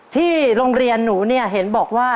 ที่โรงเรียนหนูเห็นบอกว่า